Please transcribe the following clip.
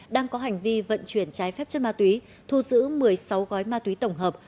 đang có hành vi vận chuyển trái phép chất ma túy thu giữ một mươi sáu gói ma túy tổng hợp